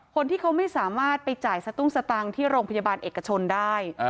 คนที่เขาไม่สามารถไปจ่ายสตุ้งสตังค์ที่โรงพยาบาลเอกชนได้